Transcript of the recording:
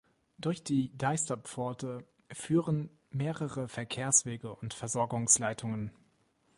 Durch die Deisterpforte führen mehrere Verkehrswege und Versorgungsleitungen.